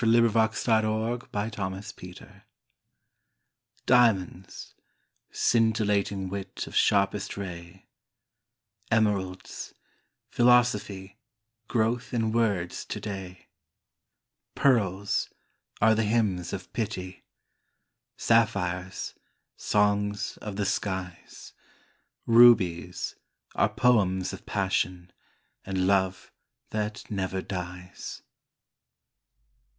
DAY DREAMS GEMS OF THOUGHT Diamonds — Scintillating wit of sharpest ray Emeralds — Philosophy, growth in words today Pearls — Are the hymns of pity Sapphires — Songs of the skies Rubies — Are poems of passion And love that never dies.